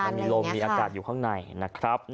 มันมีลมมีอากาศอยู่ข้างในนะครับ